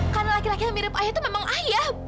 karena laki laki yang mirip ayah itu memang ayah